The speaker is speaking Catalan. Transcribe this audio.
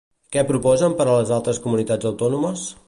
Què proposen per a les altres comunitats autònomes?